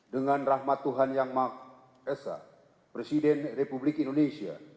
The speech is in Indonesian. dengan rahmat tuhan yang maha esa presiden republik indonesia